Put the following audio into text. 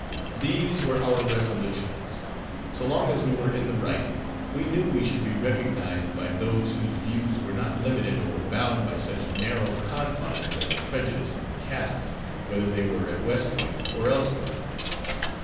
These were our resolutions. So long as we were in the right we knew we should be recognized by those whose views were not limited or bound by such narrow confines as prejudice and caste, whether they were at West Point or elsewhere.